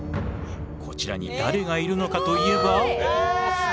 こちらに誰がいるのかといえば。